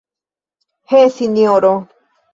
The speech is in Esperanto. He, sinjoro!